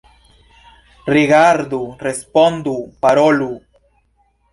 Rigardu, respondu, parolu!